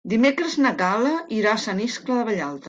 Dimecres na Gal·la irà a Sant Iscle de Vallalta.